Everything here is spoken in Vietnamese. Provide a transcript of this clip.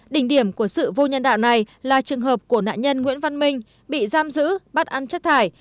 đỉnh điểm của sự vô nhân đạo này là trường hợp của nạn nhân nguyễn văn minh bị giam giữ bắt ăn chất thải